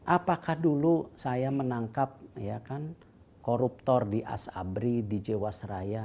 apakah dulu saya menangkap koruptor di asabri di jewasraya